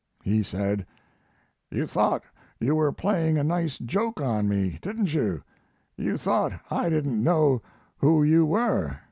He said: "'You thought you were playing a nice joke on me, didn't you? You thought I didn't know who you were.